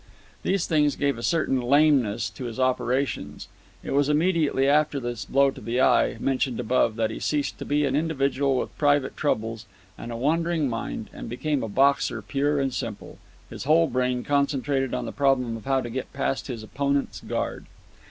These things gave a certain lameness to his operations. It was immediately after this blow in the eye, mentioned above, that he ceased to be an individual with private troubles and a wandering mind, and became a boxer pure and simple, his whole brain concentrated on the problem of how to get past his opponent's guard.